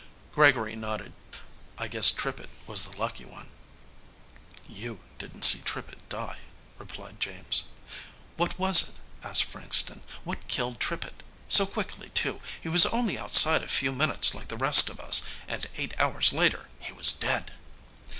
Gregory nodded, "I guess Trippitt was the lucky one." "You didn't see Trippitt die," replied James. "What was it?" asked Frankston. "What killed Trippitt? So quickly, too. He was only outside a few minutes like the rest of us, and eight hours later he was dead."